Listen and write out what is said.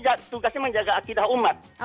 mui itu tugasnya menjaga akidah umat